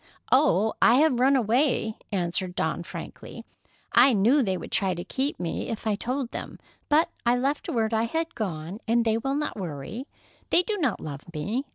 "Oh, I have run away," answered Dawn frankly. "I knew they would try to keep me if I told them, but I left word I had gone, and they will not worry. They do not love me.